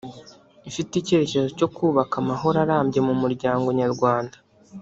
Ifite icyerekezo cyo kubaka amahoro arambye mu muryango Nyarwanda